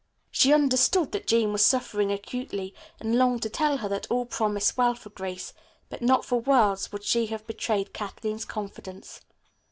She understood that Jean was suffering acutely, and longed to tell her that all promised well for Grace, but not for worlds would she have betrayed Kathleen's confidence.